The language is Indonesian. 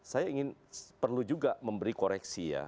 saya ingin perlu juga memberi koreksi ya